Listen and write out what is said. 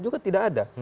juga tidak ada